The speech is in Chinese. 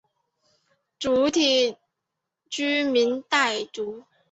主体居民傣族。